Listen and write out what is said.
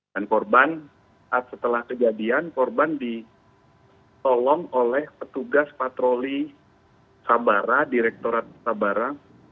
dan korban setelah kejadian korban ditolong oleh petugas patroli sabara direkturat sabara